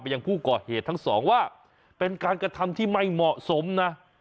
ยังผู้ก่อเหตุทั้งสองว่าเป็นการกระทำที่ไม่เหมาะสมนะ